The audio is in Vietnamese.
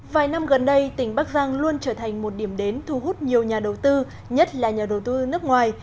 vài năm gần đây tỉnh bắc giang luôn trở thành một điểm đến thu hút nhiều nhà đầu tư nhất là nhà đầu tư nước ngoài